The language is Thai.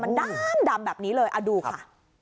มันดำแบบนี้เลยเอาดูค่ะ